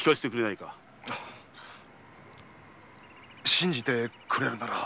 信じてくれるなら。